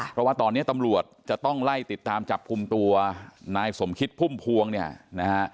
เพราะว่าตอนนี้ตำรวจจะต้องไล่ติดตามจับกลุ่มตัวนายสมคิดพุ่มพวงเนี่ยนะฮะ